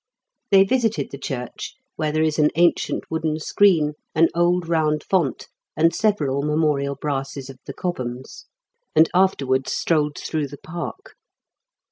They visited the church, where there is an ancient wooden screen, an old round font, and several memorial brasses of the Cobhams ; and afterwards strolled through the park.